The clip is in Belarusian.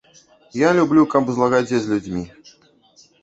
Я люблю, каб у злагадзе з людзьмі.